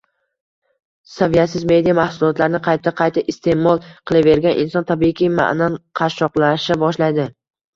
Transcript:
Saviyasiz media mahsulotlarni qayta-qayta iste`mol qilavergan inson, tabiiyki, ma`nan qashshoqlasha boshlaydi